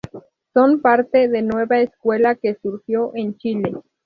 Son parte de Nueva Escuela que surgió en Chile.